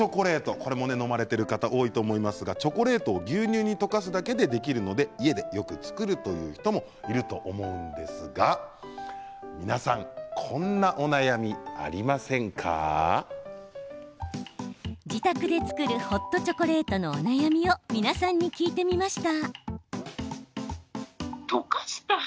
これも飲まれている方多いと思いますが、チョコレートを牛乳に溶かすだけでできるので家でよく作るという人もいると思うんですが皆さんこんなお悩みありませんか。自宅で作るホットチョコレートのお悩みを皆さんに聞いてみました。